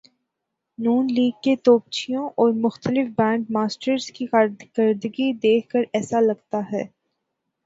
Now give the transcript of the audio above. ن لیگ کے توپچیوں اور مختلف بینڈ ماسٹرز کی کارکردگی دیکھ کر ایسا لگتا ہے۔